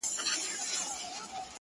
يو څو ژونده يې لاسو کي را ايسار دي-